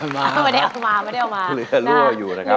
ไม่ได้เอามาไม่ได้เอามาเหลือรั่วอยู่นะครับ